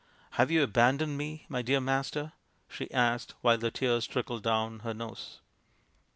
"Have you abandoned me, my dear master ?" she asked, while the tears trickled down her nose.